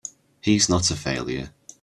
He's not a failure!